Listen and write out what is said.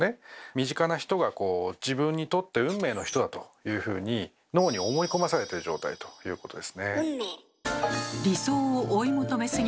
身近な人が自分にとって運命の人だというふうに脳に思いこまされてる状態ということですね。